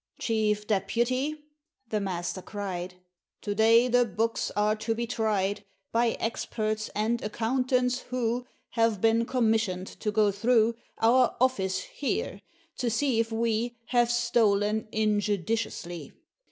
"Chief Deputy," the Master cried, "To day the books are to be tried By experts and accountants who Have been commissioned to go through Our office here, to see if we Have stolen injudiciously.